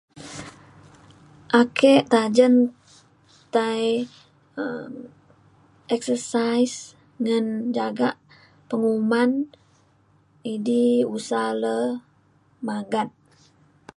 Ake tajen tai um exercise ngan jagak penguman idi usa le magat.